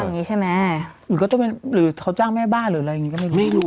อย่างนี้ใช่ไหมหรือก็ต้องเป็นหรือเขาจ้างแม่บ้านหรืออะไรอย่างนี้ก็ไม่รู้ไม่รู้